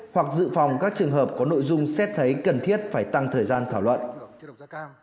hoặc dự phòng các trường hợp có nội dung xét thấy cần thiết phải tăng thời gian thảo luận